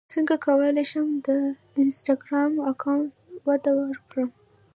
څنګه کولی شم د انسټاګرام اکاونټ وده ورکړم